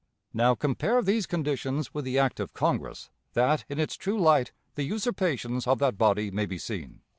Now, compare these conditions with the act of Congress, that in its true light the usurpations of that body may be seen.